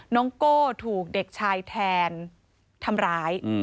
โก้ถูกเด็กชายแทนทำร้าย